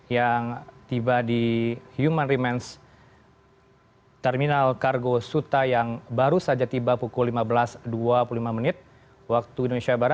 yang tiba di human remains terminal kargo suta yang baru saja tiba pukul lima belas dua puluh lima wib